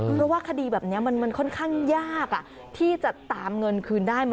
เพราะว่าคดีแบบนี้มันค่อนข้างยากที่จะตามเงินคืนได้